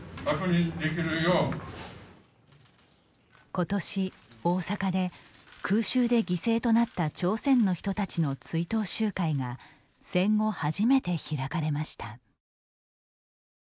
ことし、大阪で空襲で犠牲となった朝鮮の人たちの追悼集会が戦後初めて開かれました。